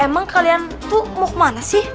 emang kalian tuh mau mana sih